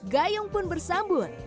gayung pun bersambut